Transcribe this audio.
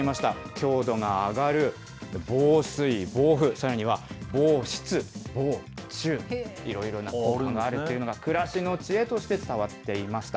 強度が上がる、防水、防腐、さらには防湿、防虫、いろいろな効果があるということが、暮らしの知恵として伝わっていました。